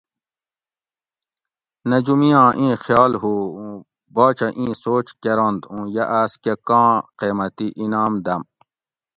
نجومی آں ایں خیال ہو اوُن باچہ ایں سوچ کیرنت اوُں یہ آس کۤہ ۤکاں قیمتی انعام دم